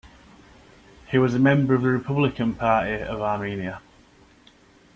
He was a member of the Republican Party of Armenia.